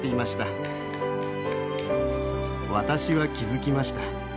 私は気付きました。